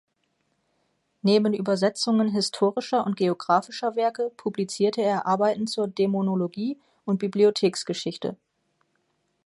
Neben Übersetzungen historischer und geographischer Werke publizierte er Arbeiten zur Dämonologie und Bibliotheksgeschichte.